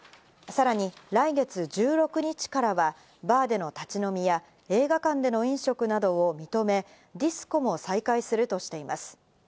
さらに来月１６日からはバーでの立ち飲みや映画館での飲食などを認め、ディスコも再開するとしています。